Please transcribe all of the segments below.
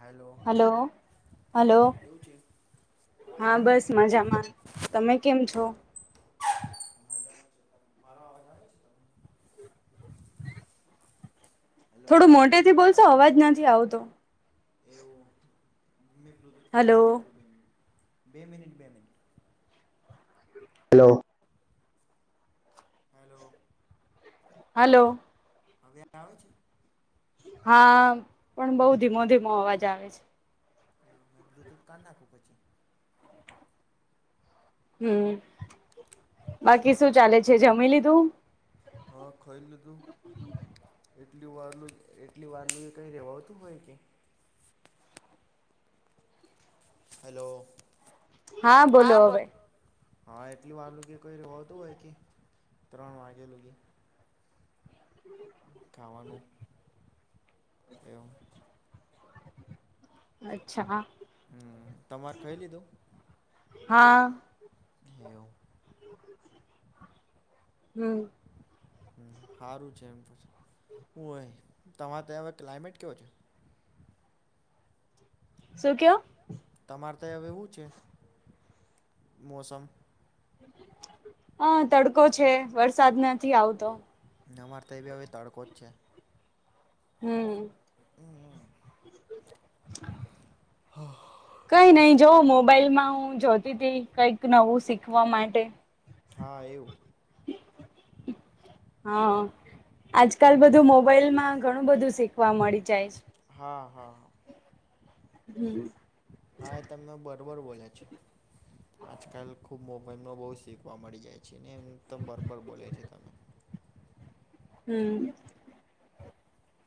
Hello hello hello કેવું છે અવાજ હા આવે છે બસ મજામાં તમે કેમ છો મજામાં મારો અવાજ આવે છે હેલો થોડું મોટે થી બોલશો અવાજ નથી આવતો એવું બ્લુટૂથ હલો કનેક્ટ કરું છું બે મિનીટ, બે મિનીટ, હલો હલો હલો હવે આવે છે હા, પણ બઉ ધીમો ધીમો અવાજ આવે છે મે બ્લુટૂથ કાઢ નાખું પછી હમ, બાકી શું ચાલે છે જમી લીધું હા ખાઈ લીધું એટલી વારલું એટલી વારલું એ કઈ રહેવાતું હોય કે હલો હા, બોલો હવે હા, એટલી વારું કે કોઈ હોતું હોય કે ત્રણ વાગેલગી ખાવાનું, એમ અચ્છા હમ તમારે કઈ લીધું હા એવું [inaudible] હમ સારું છે એમ હો તમારે ત હવે ક્લાયમેટ કેવો છે શું ક તમારે તો હવેવું છે મોસમ હ તડકો છે વરસાદ નથી આવતો ન મારતા એ બી હવે તડકો જ છે હમ હમ [inaudible] હા કઈ નઈ જોવ મોબાઈલમાં હું જોતી હતી કઈક નવું શીખવા માટે હા એવું હા આજકાલ હમ બધું મોબાઈલ માં ઘણું બધું શીખવા મળી જાય છે હા હાા હમ હા એ તમે બરોબર બોલ્યા છે આજકાલ ખુબ મોબાઈલમાં બહુ શીખવા મળી જાય છે ને એમ તો બરોબર બોલે છે તમે હમ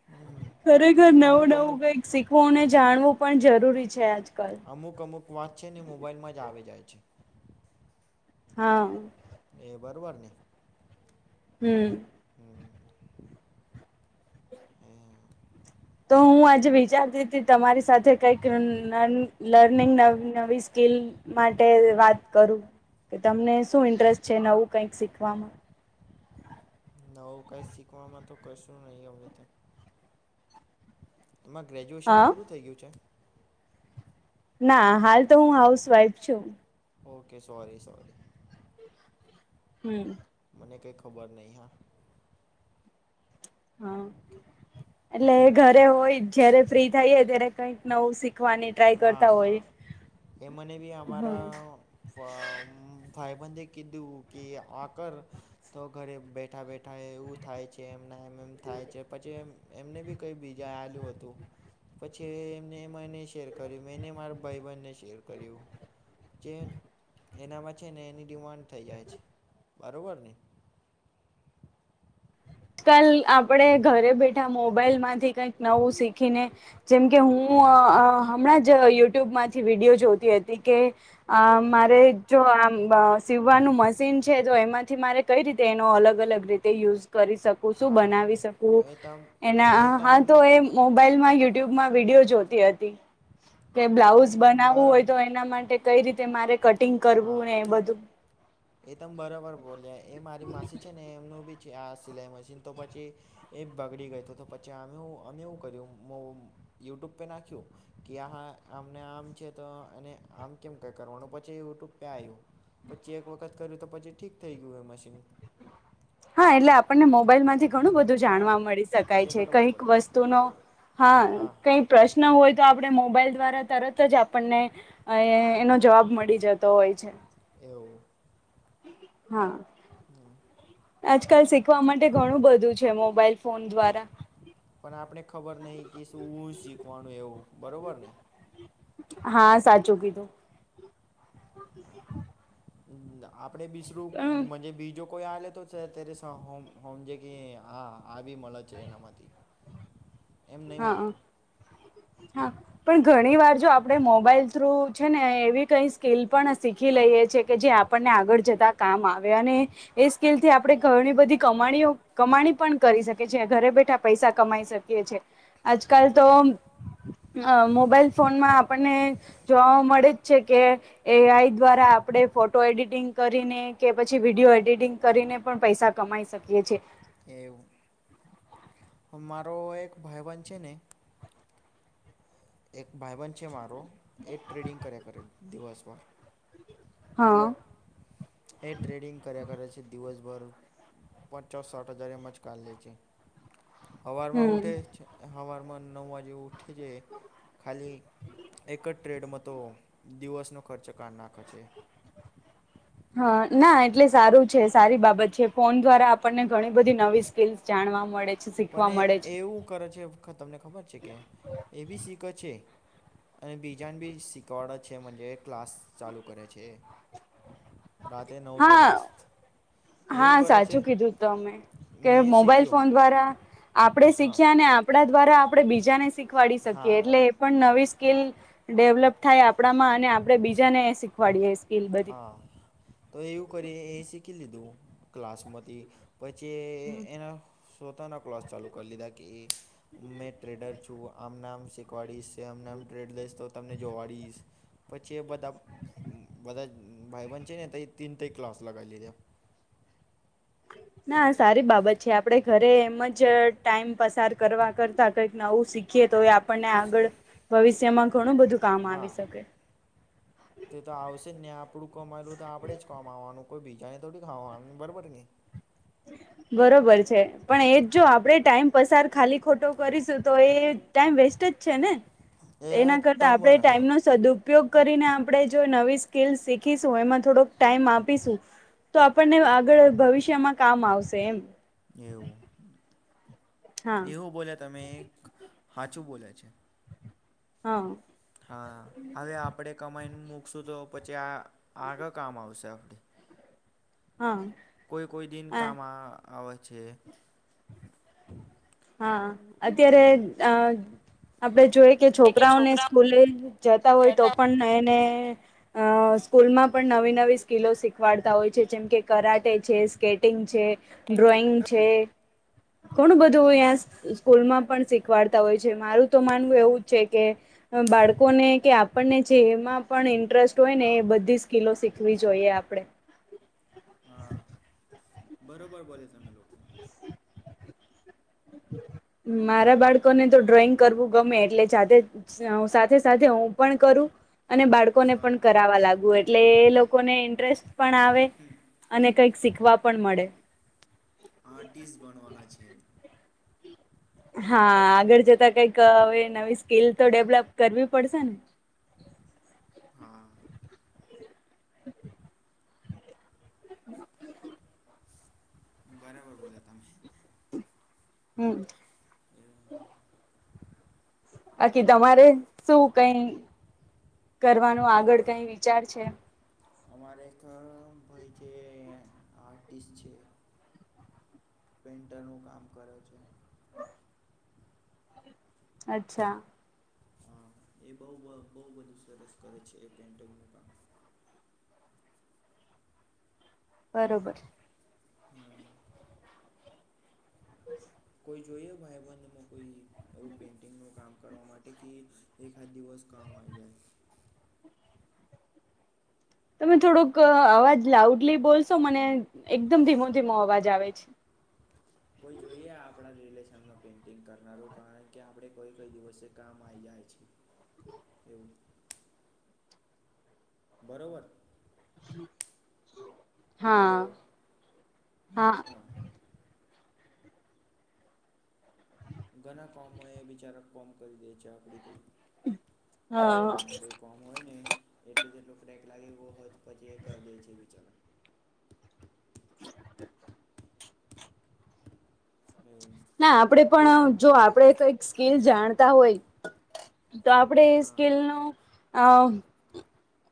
હમ હ ખરેખર અમુક નવું નવું અમુક કઈક શીખવુંને જાણવું પણ જરૂરી છે આજકાલ અમુક અમુક વાત છે ને મોબાઈલમાં જ આવી જાય છે હા એ બરોબર નને- હમ. એ તો હું આજે વિચારતી હતી તમારી સાથે કઈક લર્નિંગવી નવી. બલ માટે વાત કરું કે તમને શું ઇન્ટરેસ્ટ છે નવું કઈક શીખવામાં. નવું કઈ શીખવામાં તો કશું નહીિ હવે તો તમારે ગ્રેજ્યુએશન હા પૂરું થઇ ગયું છે. ના હાલ તો હું હાઉસવાઈફ છું. Okay sorry sorry. હમ. અને કો ખબર નહી હં. હા, એટલે ઘરે હોય જયારે ફ્રી થઈ ત્યારે કઈક નવું શીખ હા હા એ મને બી હમ અમારા. ભાઈબંધે કીધું કે આ કર તો ઘરે બેઠા બેઠા એવું થાય છે, એમ એમ થાય છે પછી એ એમને બી કઈ બીજા આલ્યું હતું. પછી એમને એ મ ન શેર મેને મારા ભાઈ બનને શેર કર્યું જે એનામાં છે ને એની ડિમાન્ડ થઈ જાય છે બરોબર ને આજ કલ આપણેે ઘરે બેઠા મોબાઈલ માંથી કઈક નવું શીખીને જેમકે હું હું હમણાં જ યુટ્યુબમાંથી વિડીયો જોતી હતી કે આ હા મારે જો આમ સીવાનું મશીન છે, તો એમાંથી મારે કઈ રીતે તેનો અલગ અલગ રીતે યુઝ કરીું હા બના એ તમ શ એ એના હા તમ તો એ મોબાઈલમાં યુટ્યુબમાં વિડીયો જોતી હતી. કે એ તમ બ્લાઉઝ બનાવવું બરા હોય તો એના માટે કઈ રીતે મારે કટિંગ કરવું હા ને એ બધું એ તમે બરોબર બોલ્યા એ મારી માસી છે, ને એમનું બી આ સિલાઈ મશીન તો પછી એ બગડી ગય હતું, તો પછી અમે અમે એવું કર્યું યુટુબ નાખ્યું કે આામને આમ છે તો અને આમ કેમ ક કરવાનું પ પછી એવું ટું પ્યાય્યું પછી એક વખત કર્યું તો પછી ઠીક થઈ ગયું એ મશીન હા, એટલે આપણને મોબાઈલ માંથી ઘણું બધું હા જાણવા મળી શકાય એ છે બરાબર કઈક બોલ્યા તો વસ્તુનો હા, કઈ પ્રશ્ન હોય તો આપડણે મોબાઈલ દ્વારા તરત જ આપ આપણને અ એનો જવાબ મળી જતો હોય છે એવું હા હમ આજકાલ શીખવા માટે ઘણું બધું છે મોબાઈલ. ફોન દ્વારા પણ આપણે ખબર નહ કે શું શીખવાનું એવું બરોબર ને. હા સાચું કીધું. [unintelligible] આપડે બીસરું અમ મને બીજો કોઈ આલે તો અત્યારે હોમ જે કે આવી મળે છે, એનામાંથી. એમ નહીં હા મળતું હા પણ ઘણી વાર. જો આપણે મોબાઈલ થ્રુ છે ને એવી કઈ સ્કીિલ પણ શીખી લઈએ છ છે, કે જે આપણને આગળ જતા આવે એ સ્કીલથી આપણે ઘણી બધી કણી કમાણી પણ કરી શકી. ઘરે બેઠા પૈસા કમાઈ શકીએીએ આજકાલ તો અ મોબાઈલ ફોનમાં આપણને જોવા મળે જ છે કે એઆઈ દ્વારા આપડણે ફોટો એડિટિંગ કરીને કે પછી વિડીિયો એડિટિંગ કરીને પણ પૈસા કમાઈ શકીએ છેએ. એવું મારો એક ભાઈ બન છે ને એક ભાઈબન છે મારો એ જ ટ્રેડિંગ કર્યા કરે દિવસભર હા. એ ટ્રેડિંગ કર્યા કરે છે દિવસભર પચો સાઠ હજાર એમ જ ક લે છે હવારમાં હમ ઉઠે છે. હવારમાં નવ વાજે ઉઠે છે ખાલી એક જ ટ્રેડમાં તો દિવસનો ખર્ચ ક નાખે છે. [unintelligible] હા, ના એટલે સારું છે સારી બાબત છે ફોન દ્વારા આપણને ઘણી બધી નવી સ્કીલસ જાણવા મળે છે, શીખવા પણ મળે છે એવું કરે છે તમને ખબર છે કે એ બી શીખે છે, અને બીજાને બી શીખવાડ છે ક્લાસ ચાલુ કરે છે, રાતે નવ તો હા દસ એવું હા, કરે છે સાચું કીધું હત અમે કે મેં મોબાઈલ શીખ્યું ફોન દ્વારા આપણે હા શીખ્યા અને આપણા દ્વારા આપણે બીજાને શીખવાડી શકીએ હા એટલે એ પણ નવી સ્કીલ ડેવલપ થાય આપણામાં અને આપણેે બીજાને શીખવાડીએે એ સ્કીલ બધી હા તો એવું કરી એ શીખી લીધું ક્લાસમાંથી પછી એ એના સોતાના ક્લાસ ચાલુ કરી લીધા કે મેં ટ્રેડર છું આમને આમ શીખવાડીશ આમને આમ ટ્રેડ લઈશ તો તમને જોવાડીશ પછી એ બધા બધા જ ભાઈબન છે ને ત તીન ત ક્લાસ લગાલીઘા ના સારી બાબત છે આપડે ઘરે એમ જ ટાઈમ પસાર કરવા કરતા કઈક નવું શીખીએ તો આપણને આગળ ભવિષ્યમાં ઘણું બધું કામ આવી હા શકે તે તો આવશે જ ને આપડું કમાયેલું તો આપડે જ કમાવાનું કોઈ બીજાને થોડી ખાવાનું બરોબર ને હ બરોબર છે પણ એજ જો આપણેે ટાઈમ પસાર ખાલી ખોટો કરીશું તો એ ટાઈમ વેસ્ટ જ છે ને એ એના કરતાં તમ આપણે બર હા ટાઈમનો સદુ ઉપયોગ કરીને આપણે જો નવી સ્કીલ શીખીશું એમાં થોડોક ટાઈમ આપીશું તો આપણને આગળ ભવિષ્યમાં કામ આવશે એમ એવું હા એવું બોલ્યા તમે એક હાચું બોલે છે હા હા હવે આપડે કમાઈને મુક શું તો પછી આ આગળ કામ આવશે આપને હા કોઈ કોઈ દિન કામા આ આવે છે હા અત્યારે અ આપડે જોઈએ કે છોકરાઓને સ્કૂલે જતા હોય તો પણ નયે નયે આ સ્કૂલમાં પણ નવી નવી સ્કીિલો શીખવાડતા હોય છે જેમ કે કરાટે છે સ્કેટિંગ છે ડ્રોઈંગ છે ઘણું બધું તોઆસ ઈ સ્કૂલ માં પણ શીખવાડતા હોય છે મારું તો માનવું એવું જ છે કે એ બાળકોને ને કે આપણને જેમાં પણ ઇન્ટરેસ્ટ હોય ને એ બધી સ્કીિલો શીખવી જોઈએ આપણે હ અ હા બરોબર બોલે તમે લોકો [inaudible] મારા બાળકોને તો ડ્રોઈંગ કરવું ગમે એટલે જાતે સયાઉ સાથે સાથે હું પણ કરું અને બાળકો ને હા પણ કરાવા લાગુ એ એટલે એ લોકોને ઇન્ટરેસ્ટ પણ આવે અને કંઈક શીખવા પણ મળે આર્ટિસ્ટ બનવાના છે હા આગળ જતા કઈક હવે નવી સ્કીલ તો ડેવલપ કરવી પડશે ને હા [inaudible] બરાબર બોલ્યા તમે હમ બાકી તમારે શું કઈ કરવાનું આગળ ના કઈ વિચાર છે અમારે તો ભાઈ આર્ટિસ્ટ છે પેન્ટર નું કામ કરે છે. અચ્છા. હા એ બ બહું બધું સરસ કરે છે એ પેન્ટિંગનું કામ બરોબર. હમ્મ. [inaudible] કોઈ જોઈએ ભાઈ બંધમાં કોઈ એવું પેઇન્ટિંગનું કામ કરવા માટે કે એક હાથ દિવસ કામ આવી જાય. તમે થોડુક અવાજ લાઉડલી બોલશો મને એકદમ ધીમો ધીમો અવાજ આવે છે. [inaudible] કોઈ જોઈએ આપણા પેઇન્ટિંગ કરનારું કાઈ કે આપણે કોઈ કઈ દિવસે કામ આવી જાય છે. એવું [inaudible] બરોબર. હા, હેલો હા. ઘણા કોમો એ બિચારા કોમ કરી દે છે આપડી કઈ [unintelligible] હા પેન્ટિગનું કોઈ કામ હોય ને [unintelligible] એટલું જેટલું ક્રેક લાગે એવું હોય પછી એ કરી દે છે, વિચાર [inaudible] [inaudible] ના આપડે પણ જો આપડે કઈક સ્કીલ જાણતા હોય. તો આપણેે એ હા સ્કીલ નુ અ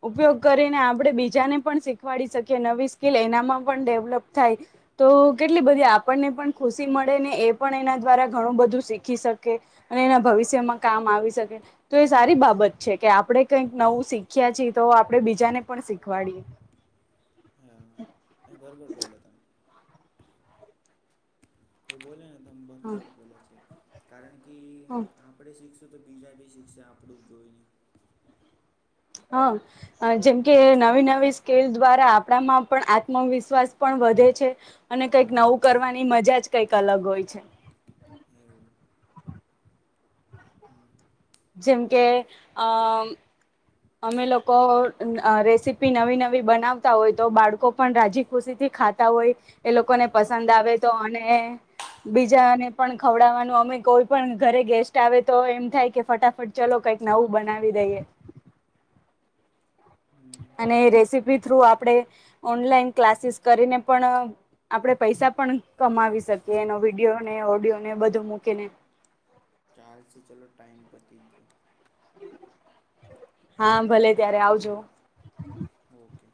ઉપયોગ કરીને આપણેે બીજાને પણ શીખવાડી શકીએ નવી સ્કીિલ એનામાં પણ ડેવલપ થાય. તો કેટલી બધી આપણને પણ ખુશી મળે ને એ પણ એના દ્વારા ઘણું બધું શીખી શકે. અને એના ભવિષ્યમાં કામ આવી શકે, તો એ સારી બાબત છે કે આપડણે કંઈક નવું શીખ શીખ્યા છી તો આપડે બીજાને પણ શીખવાડીયે. હા એ બરાબર બોલે તમે એ બોલયા ને તમે હા. બરોબર બોલે છે કારણ કે આપણે શીખશું તો બીજા બી શીખસે આપડું જોઈને. હ, જેમ કે નવી નવી સ્કેલ દ્વારા આપણામાં પણ આત્મવિશ્વાસ પણ વધે છે, અને કઈક નવું કરવાની મજા જ કઈક અલગ હોય છે. એવું હમ, જેમ કે અ અમે લોકો રેસીપી નવી નવી બનાવતા હોય તો બાળકો પણ રાજી ખુશી થી ખાતા હોય, એ લોકોને હા પસંદ આવે તો અને બીજાને પણ ખવડાવવાનું અમે કોઈ પણ ઘરે ગેસ્ટ આવે તો એમ થાય કે ફટાફટ ચલો કંઈક નવું બનાવી દઈએ. હમ અને રેસીપી થ્રુ આપ આપણે, ઓનલાઈન ક્લાસીસ કરીને પણ આપણે પૈસા પણ કમાવી શકીએ એનો વિડીયો ને ઓડિયો ને બધું મૂકીને. ચાલસે ચાલો ટાઈમ પર પતિ ગયો. હા ભલે ત્યારે આવજો. ઓકે.